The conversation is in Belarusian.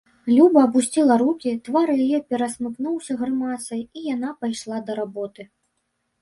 Люба апусціла рукі, твар яе перасмыкнуўся грымасай, і яна пайшла да работы.